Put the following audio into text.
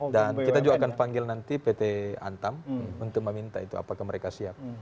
dan kita juga akan panggil nanti pt antam untuk meminta itu apakah mereka siap